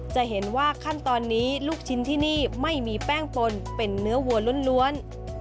จะเห็นว่าขั้นตอนนี้ลูกชิ้นที่นี่ไม่มีแป้งปนเป็นเนื้อวัวล้วน